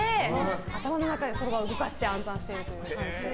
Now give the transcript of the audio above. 頭の中でそろばんを動かして暗算している感じです。